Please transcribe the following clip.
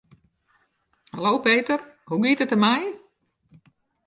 Hallo Peter, hoe giet it der mei?